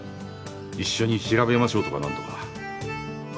一緒に調べましょうとか何とか。